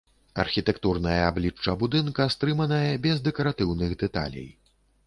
Архітэктурнае аблічча будынка стрыманае, без дэкаратыўных дэталей.